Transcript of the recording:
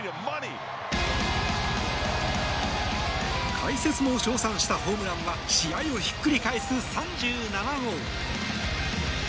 解説も称賛したホームランは試合をひっくり返す３７号。